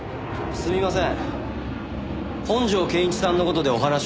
すいません。